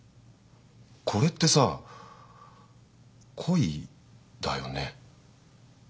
これってさ恋だよね？